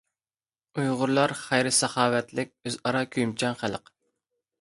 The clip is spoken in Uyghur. ئۇيغۇرلار خەير-ساخاۋەتلىك، ئۆزئارا كۆيۈمچان خەلق.